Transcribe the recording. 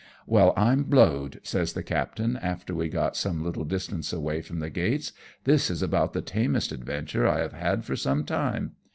" "Well, I'm blowed, " says the captain, after we got some little distance away from the gates, " this is about the tamest adventure I have had for some time.